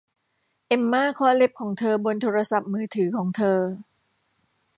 เอมม่าเคาะเล็บของเธอบนโทรศัพท์มือถือของเธอ